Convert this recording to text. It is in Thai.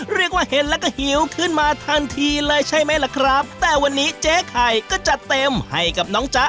เรียกว่าเห็นแล้วก็หิวขึ้นมาทันทีเลยใช่ไหมล่ะครับแต่วันนี้เจ๊ไข่ก็จัดเต็มให้กับน้องจ๊ะ